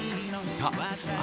あ